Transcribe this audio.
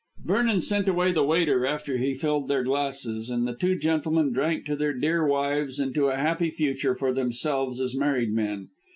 Vernon sent away the waiter after he filled their glasses, and the two gentlemen drank to their dear wives and to a happy future for themselves as married men.